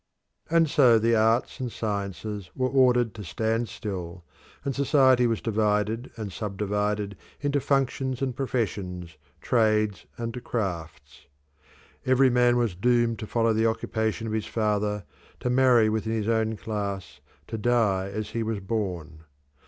And so the arts and sciences were ordered to stand still, and society was divided and sub divided into functions and professions, trades and crafts. Every man was doomed to follow the occupation of his father, to marry within his own class, to die as he was born.